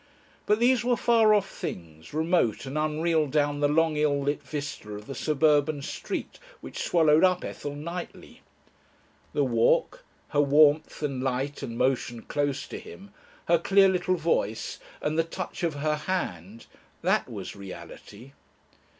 But these were far off things, remote and unreal down the long, ill lit vista of the suburban street which swallowed up Ethel nightly. The walk, her warmth and light and motion close to him, her clear little voice, and the touch of her hand; that was reality.